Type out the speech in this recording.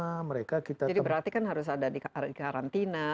jadi berarti kan harus ada di karantina harus ada fasilitas untuk mereka di karantina